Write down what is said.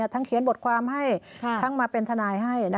เขียนบทความให้ทั้งมาเป็นทนายให้